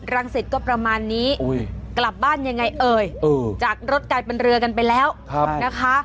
สิทธิ์ก็ประมาณนี้กลับบ้านยังไงเอ่ยจากรถกลายเป็นเรือกันไปแล้วนะคะ